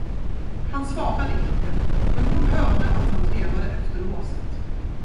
Han svarade icke, men hon hörde att han trevade efter låset.